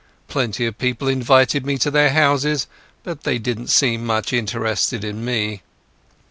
Plenty of people invited me to their houses, but they didn't seem much interested in me.